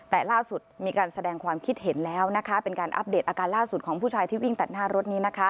แต่ล่าสุดมีการแสดงความคิดเห็นแล้วนะคะเป็นการอัปเดตอาการล่าสุดของผู้ชายที่วิ่งตัดหน้ารถนี้นะคะ